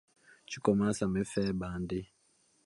tu commences à me faire bander.